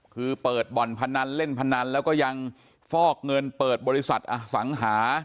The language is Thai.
คือเปิดบ่อนพนันเล่นพนันแล้วก็ยังฟอกเงินเปิดบริษัทอสังหา